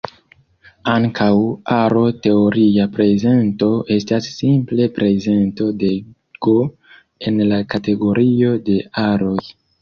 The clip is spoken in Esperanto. Ankaŭ, aro-teoria prezento estas simple prezento de "G" en la kategorio de aroj.